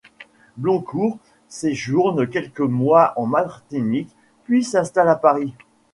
Bloncourt séjourne quelques mois en Martinique, puis s’installe à Paris.